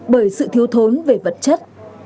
bởi sự thiếu thốn về vật chất